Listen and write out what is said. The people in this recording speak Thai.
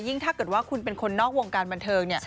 ถ้าเกิดว่าคุณเป็นคนนอกวงการบันเทิง